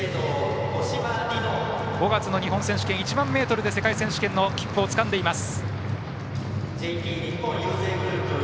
５月の日本選手権１００００ｍで世界選手権の切符を獲得しています。